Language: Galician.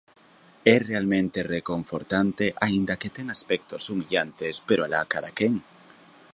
É realmente reconfortante, aínda que ten aspectos humillantes, pero alá cadaquén.